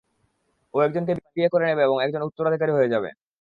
ও একজনকে বিয়ে করে নেবে এবং দোকানের উত্তরাধিকারী হয়ে যাবে।